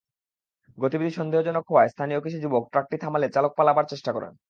গতিবিধি সন্দেহজনক হওয়ায় স্থানীয় কিছু যুবক ট্রাকটি থামালে চালক পালানোর চেষ্টা করেন।